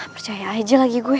percaya aja lagi gue